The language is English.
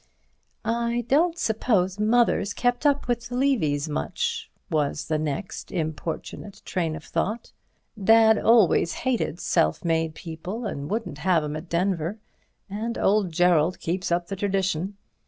"I don't suppose Mother's kept up with the Levys much," was the next importunate train of thought. "Dad always hated self made people and wouldn't have 'em at Denver. And old Gerald keeps up the tradition.